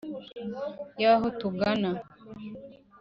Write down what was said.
Y’aho tugana;